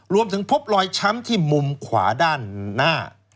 พบรอยช้ำที่มุมขวาด้านหน้า